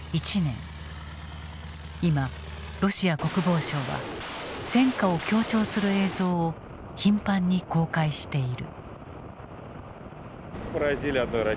今ロシア国防省は戦果を強調する映像を頻繁に公開している。